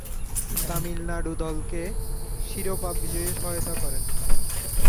তামিলনাড়ু দলকে শিরোপা বিজয়ে সহায়তা করেন।